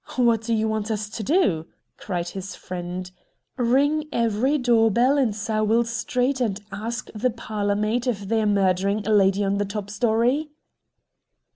"What do you want us to do?" cried his friend. "Ring every door bell in Sowell Street and ask the parlor maid if they're murdering a lady on the top story?"